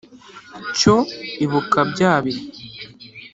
Cyo ibuka bya bihe